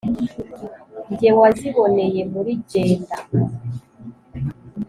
jye waziboneye muri jenda,